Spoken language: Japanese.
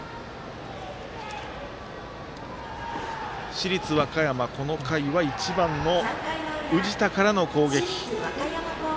市立和歌山、この回は１番の宇治田からの攻撃。